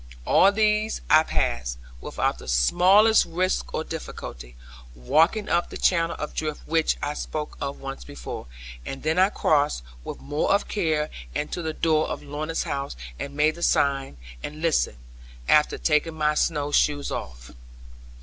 All these I passed, without the smallest risk or difficulty, walking up the channel of drift which I spoke of once before. And then I crossed, with more of care, and to the door of Lorna's house, and made the sign, and listened, after taking my snow shoes off.